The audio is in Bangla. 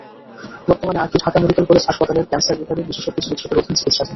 বর্তমানে আঁখি ঢাকা মেডিকেল কলেজ হাসপাতালের ক্যানসার বিভাগের বিশেষজ্ঞ চিকিৎসকের অধীন চিকিৎসাধীন।